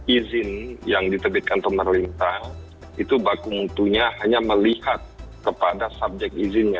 izin yang diterbitkan pemerintah itu baku mutunya hanya melihat kepada subjek izinnya